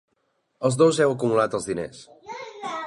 Els dos heu acumulat els diners!